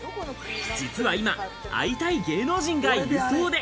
実はいま、会いたい芸能人がいるそうで。